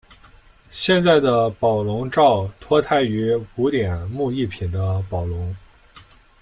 现在的宝龙罩脱胎于古典木艺品的宝笼。